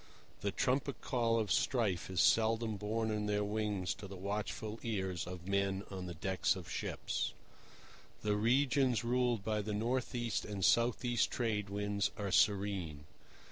The trumpet call of strife is seldom borne on their wings to the watchful ears of men on the decks of ships. The regions ruled by the north east and south east Trade Winds are serene.